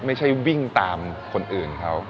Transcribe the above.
ไม่ใช่วิ่งตามคนอื่นเขา